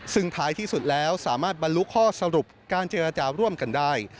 ซึ่งท้ายที่สุดแล้วสามารถบรรลุข้อสรุปการเจรจาร่วมกันได้